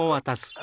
あ！